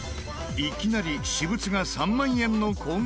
いきなり私物が３万円の高額査定。